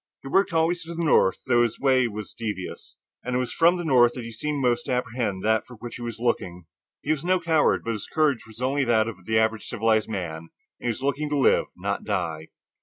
He worked always to the north, though his way was devious, and it was from the north that he seemed most to apprehend that for which he was looking. He was no coward, but his courage was only that of the average civilized man, and he was looking to live, not die.